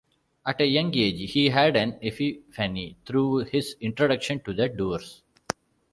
At a young age, he had an epiphany through his introduction to The Doors.